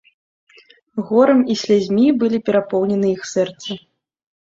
Горам і слязьмі былі перапоўнены іх сэрцы.